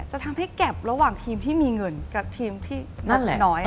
จะทำให้แกบระหว่างทีมที่มีเงินกับทีมที่นัดน้อย